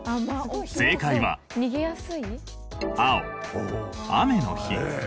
正解は青雨の日。